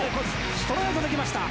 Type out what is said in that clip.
ストレートできました！